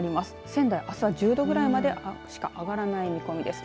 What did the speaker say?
仙台は１０度くらいまでしか上がらない見込みです。